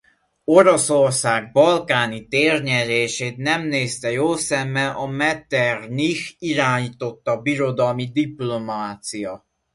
Oroszország balkáni térnyerését nem nézte jó szemmel a Metternich irányította birodalmi diplomácia.